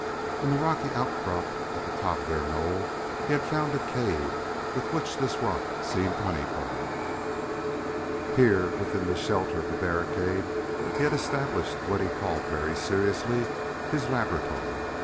In the rocky outcrop at the top of their knoll he had found a cave with which this rock seemed honeycombed. Here, within the shelter of the barricade, he had established what he called very seriously his "laboratory."